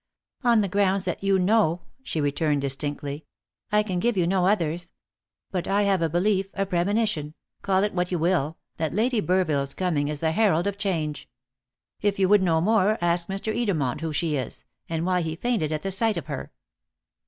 "On the grounds that you know," she returned distinctly. "I can give you no others. But I have a belief, a premonition call it what you will that Lady Burville's coming is the herald of change. If you would know more, ask Mr. Edermont who she is, and why he fainted at the sight of her."